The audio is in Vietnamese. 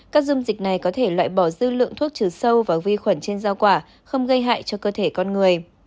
các dung dịch này có thể loại bỏ dư lượng thuốc trừ sâu và vi khuẩn trên rau quả không gây hại cho cơ thể con người